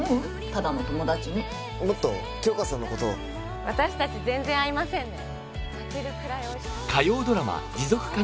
ただの友達にもっと杏花さんのことを私達全然あいませんね